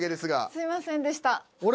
すいませんでした。